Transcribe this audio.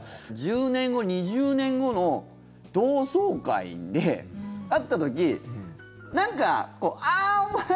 １０年後、２０年後の同窓会で会った時にあー、お前！